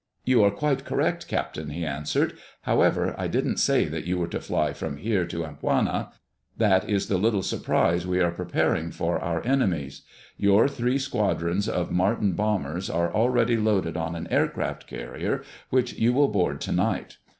"You are quite correct, Captain," he answered. "However, I didn't say that you were to fly from here to Amboina. That is the little surprise we are preparing for our enemies. Your three squadrons of Martin bombers are already loaded on an aircraft carrier which you will board tonight.